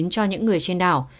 cho những người trên đảo